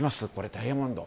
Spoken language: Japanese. ダイヤモンド。